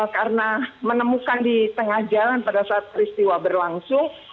karena menemukan di tengah jalan pada saat peristiwa berlangsung